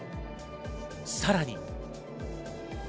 さらに。